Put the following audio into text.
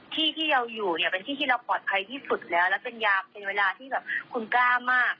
เป็นที่ที่เราปลอดภัยที่สุดแล้วแล้วเป็นยากเป็นเวลาที่แบบคุณกล้ามาก